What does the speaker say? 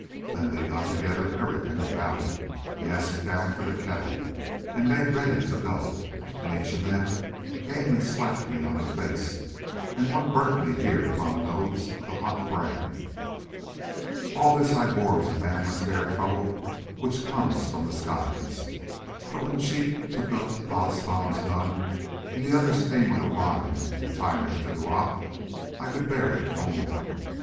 Then they got together everything of value, yes, down to the kettle, and made ready to go, and each of them came and slapped me on the face, and one burnt me here upon the nose with a hot brand. "All this I bore as a man must bear trouble which comes from the skies, but when Cheat took up Baas Tom's gun and the others came with a reim to tie me to the rock, I could bear it no more.